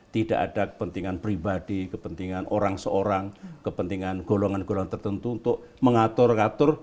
tidak ada kepentingan pribadi kepentingan orang seorang kepentingan golongan golongan tertentu untuk mengatur ngatur